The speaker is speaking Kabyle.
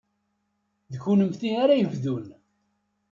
D kennemti ara yebdun.